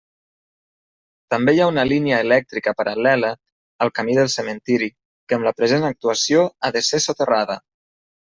També hi ha una línia elèctrica paral·lela al camí del cementiri, que amb la present actuació ha de ser soterrada.